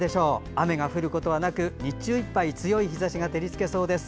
雨が降ることはなく日中いっぱい強い日ざしが照りつけそうです。